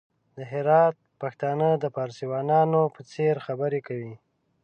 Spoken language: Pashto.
د هرات پښتانه د فارسيوانانو په څېر خبري کوي!